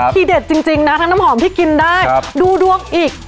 ทีเด็ดจริงนะทั้งน้ำหอมที่กินได้ดูดวงอีก